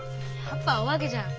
やっぱお化けじゃん。